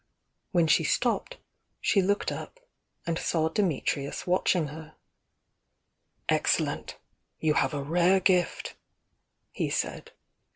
When she stopped she looked up, and saw Dimitrius watching her. "Excellent! You have a rare gift!" he said.